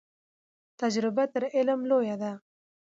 تجربه تر علم لویه ده.